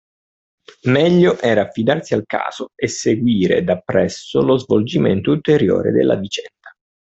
Meglio era affidarsi al caso e seguire dappresso lo svolgimento ulteriore della vicenda